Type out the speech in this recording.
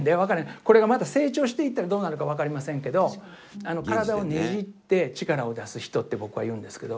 これがまた成長していったらどうなるか分かりませんけどって僕は言うんですけど。